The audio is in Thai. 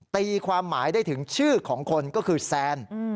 ตีความหมายได้ถึงชื่อของคนก็คือแซน